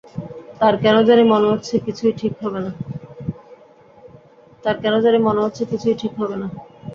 তাঁর কেন জানি মনে হচ্ছে, কিছুই ঠিক হবে না।